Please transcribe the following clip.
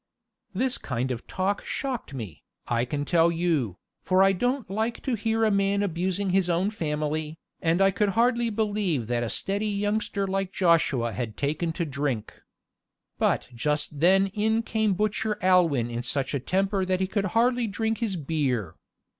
This kind of talk shocked me, I can tell you, for I don't like to hear a man abusing his own family, and I could hardly believe that a steady youngster like Joshua had taken to drink. But just then in came butcher Aylwin in such a temper that he could hardly drink his beer.